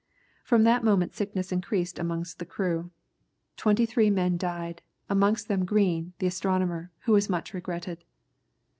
From that moment, sickness increased among the crew. Twenty three men died, amongst them Green, the astronomer, who was much regretted.